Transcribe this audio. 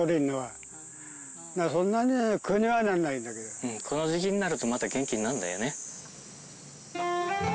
ここでうんこの時期になるとまた元気になるんだよね。